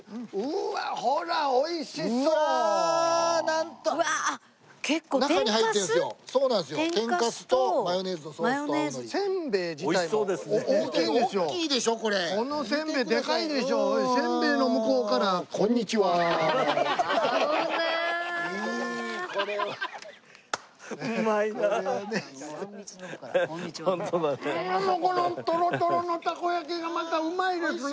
うーんこのトロトロのたこ焼きがまたうまいですね！